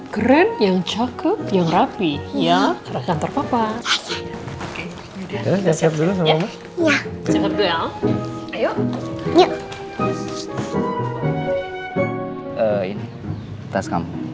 keren yang cakep yang rapi ya kantor papa ya ayo